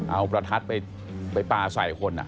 เอาประทัดไปปลาใส่คน